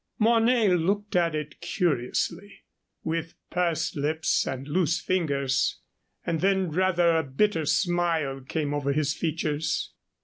Mornay looked at it curiously, with pursed lips and loose fingers, and then rather a bitter smile came over his features.